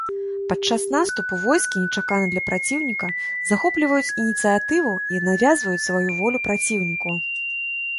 Падчас наступу войскі, нечакана для праціўніка, захопліваюць ініцыятыву і навязваюць сваю волю праціўніку.